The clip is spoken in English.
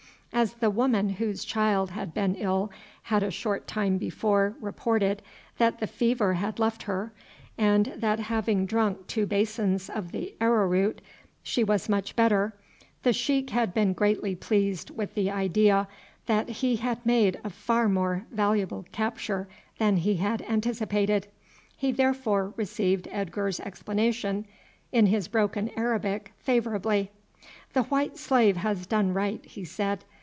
As the woman whose child had been ill had a short time before reported that the fever had left her, and that having drunk two basins of the arrow root she was much better, the sheik had been greatly pleased with the idea that he had made a far more valuable capture than he had anticipated; he therefore received Edgar's explanation in his broken Arabic favourably. "The white slave has done right," he said.